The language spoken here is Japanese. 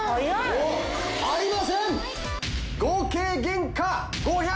もうありません！